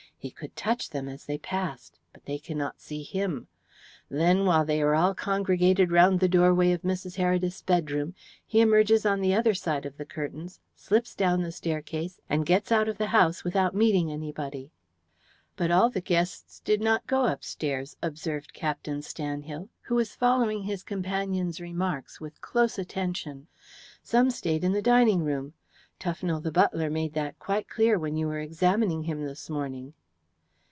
He could touch them as they passed, but they cannot see him. Then, while they are all congregated round the doorway of Mrs. Heredith's bedroom, he emerges on the other side of the curtains, slips down the staircase, and gets out of the house without meeting anybody." "But all the guests did not go upstairs," observed Captain Stanhill, who was following his companion's remarks with close attention. "Some stayed in the dining room. Tufnell, the butler, made that quite clear when you were examining him this morning."